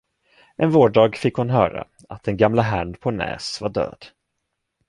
En vårdag fick hon höra att den gamla herrn på Nääs var död.